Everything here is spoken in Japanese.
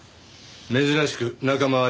珍しく仲間割れか？